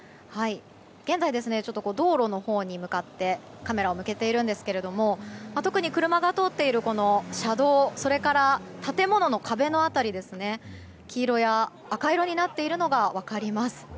現在、道路のほうに向かってカメラを向けているんですが特に車が通っている車道それから建物の壁の辺り黄色や赤色になっているのが分かります。